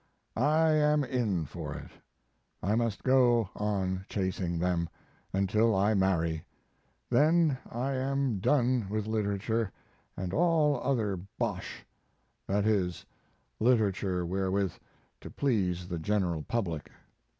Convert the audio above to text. I am in for it. I must go on chasing them, until I marry, then I am done with literature and all other bosh that is, literature wherewith to please the general public.